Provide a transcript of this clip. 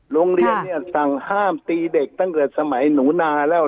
โรงเรียนเนี่ยสั่งห้ามตีเด็กตั้งแต่สมัยหนูนาแล้ว